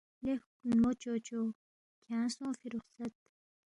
لے ہُوکھنمو چوچو، کھیانگ سونگفی رخصت